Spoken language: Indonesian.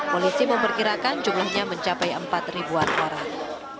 polisi memperkirakan jumlahnya mencapai empat ribuan orang